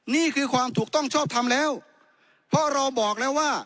นี่คือความถูกต้องชอบทำแล้วเพราะเราบอกแล้วว่า